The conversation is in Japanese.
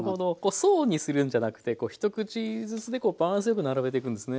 層にするんじゃなくて一口ずつでバランスよく並べていくんですね。